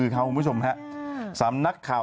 เข้าใจใช่ไหม